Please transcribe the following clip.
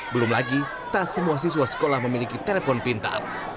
belum lagi tak semua siswa sekolah memiliki telepon pintar